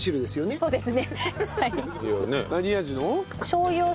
そうですね